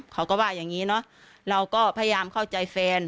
เขาก็ว่าอย่างนี้เนอะเราก็พยายามเข้าใจแฟน